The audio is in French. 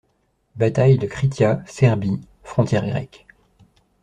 Batailles de Krithia, Serbie, frontière grecque.